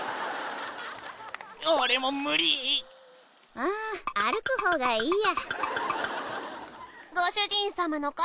ああ歩く方がいいや。